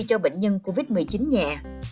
cho bệnh nhân covid một mươi chín nhẹ